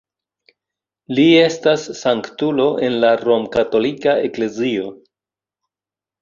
Li estas sanktulo en la romkatolika eklezio.